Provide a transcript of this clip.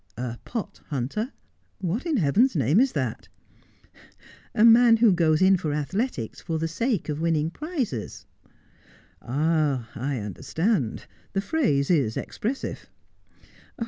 ' A pot hunter ? What in heaven's name is that 1 '' A man who goes in for athletics for the sake of winning prizes.' ' I understand. The phrase is expressive.'